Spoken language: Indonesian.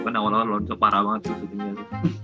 kan awal awal lonjo parah banget tuh